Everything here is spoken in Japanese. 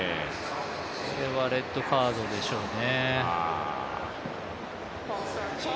これはレッドカードでしょうね。